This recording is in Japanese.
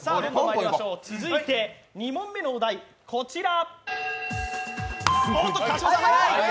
続いて、２問目のお題、こちら。